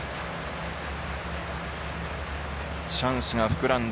チャンスが膨らんだ。